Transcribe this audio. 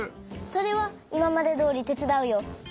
それはいままでどおりてつだうよ。